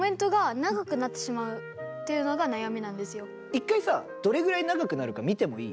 一回さどれぐらい長くなるか見てもいい？